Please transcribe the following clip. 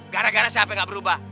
gara gara siapa yang gak berubah